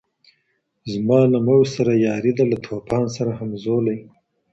زما له موج سره یاري ده له توپان سره همزولی